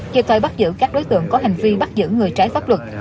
kịp thời bắt giữ các đối tượng có hành vi bắt giữ người trái pháp luật